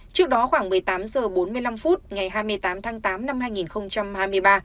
trước đó khoảng một mươi tám h bốn mươi năm phút ngày hai mươi tám tháng tám năm hai nghìn hai mươi ba